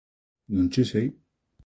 Non che sei